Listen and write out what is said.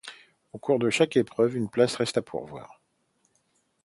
Au cours de chaque épreuve, une place reste à pourvoir.